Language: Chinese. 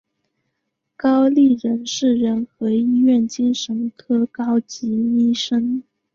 高立仁是仁和医院精神科高级医生。